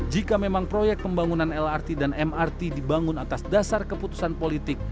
jika memang proyek pembangunan lrt dan mrt dibangun atas dasar keputusan politik